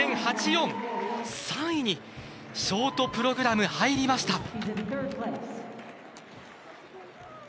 ３位に、ショートプログラム入りました。